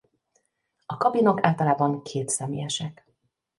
A kabinok általában kétszemélyesek.